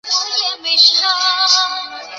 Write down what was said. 巴士来了就赶快上车